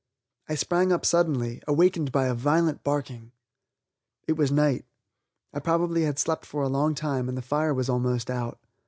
I sprang up suddenly, awakened by a violent barking! It was night. I probably had slept for a long time and the fire was almost out.